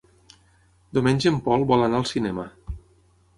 Diumenge en Pol vol anar al cinema.